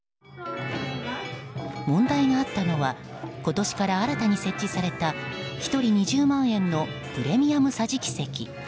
問題があったのは今年から新たに設置された１人２０万円のプレミアム桟敷席。